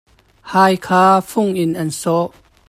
Hai kha fung in an sawh.